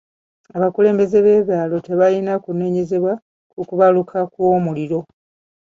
Abakulembeze b'ebyalo tebalina kunenyezebwa ku kubaluka kw'omuliro.